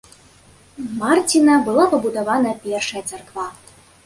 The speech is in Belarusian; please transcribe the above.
Марціна была пабудавана першая царква.